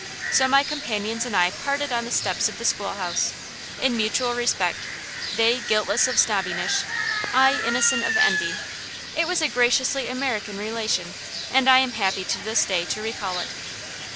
So my companions and I parted on the steps of the school house, in mutual respect; they guiltless of snobbishness, I innocent of envy. It was a graciously American relation, and I am happy to this day to recall it.